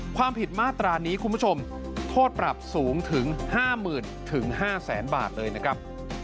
ความผิดมาตรานี้คุณผู้ชมโทษปรับสูงถึง๕๐๐๐๕๐๐๐๐บาทเลยนะครับ